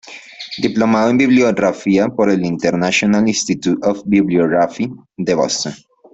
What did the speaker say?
Diplomado en Bibliografía por el International Institute of Bibliography, de Boston.